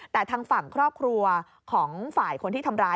แต่ทางฝั่งครอบครัวของฝ่ายคนที่ทำร้าย